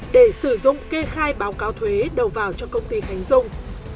để sử dụng kê khai báo cáo thuế đầu vào cho công ty khánh dung